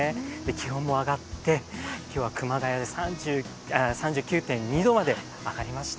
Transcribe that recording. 気温も上がって、今日は熊谷で３９．２度まで上がりました。